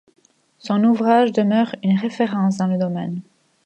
Son ouvrage demeure une référence dans le domaine.